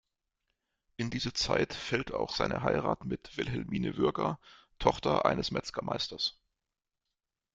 In diese Zeit fällt auch seine Heirat mit "Wilhelmine Würger", Tochter eines Metzgermeisters.